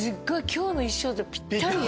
今日の衣装とぴったりよ。